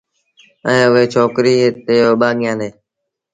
ائيٚݩ اُئي ڇوڪريٚ تي اوٻآݩگيآݩدي